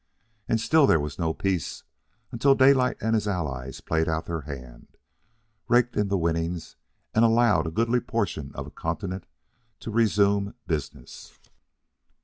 And still there was no peace, until Daylight and his allies played out their hand, raked in the winnings, and allowed a goodly portion of a continent to resume business.